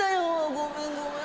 ごめんごめん。